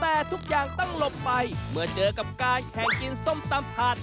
แต่ทุกอย่างต้องหลบไปเมื่อเจอกับการแข่งกินส้มตำถัด